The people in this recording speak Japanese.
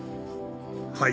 はい。